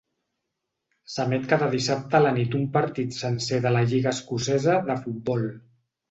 S'emet cada dissabte a la nit un partit sencer de la lliga escocesa de futbol.